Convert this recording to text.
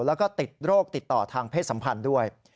แล้วก็ติดโรคติดต่อทางเพศสัมพันธ์ด้วย